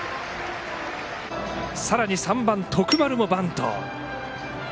さらに３番、徳丸もバント。